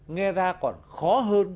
nghe ra còn khó hơn